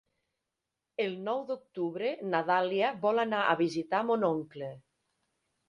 El nou d'octubre na Dàlia vol anar a visitar mon oncle.